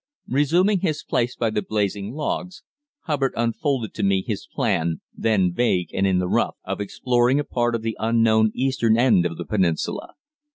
Resuming his place by the blazing logs, Hubbard unfolded to me his plan, then vague and in the rough, of exploring a part of the unknown eastern end of the peninsula.